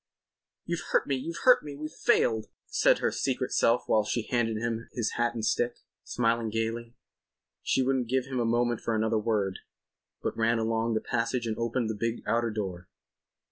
"You've hurt me; you've hurt me! We've failed!" said her secret self while she handed him his hat and stick, smiling gaily. She wouldn't give him a moment for another word, but ran along the passage and opened the big outer door.